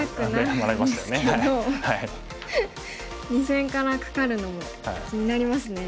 ２線からカカるのも気になりますね。